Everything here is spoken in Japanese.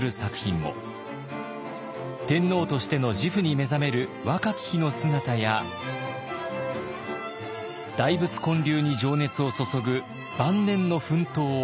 天皇としての自負に目覚める若き日の姿や大仏建立に情熱を注ぐ晩年の奮闘を描いています。